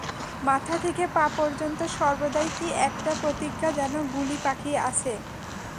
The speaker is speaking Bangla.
মাথা থেকে পা পর্যন্ত সর্বদাই কী একটা প্রতিজ্ঞা যেন গুলি পাকিয়ে আছে।